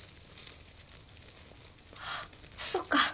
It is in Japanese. あっそうか。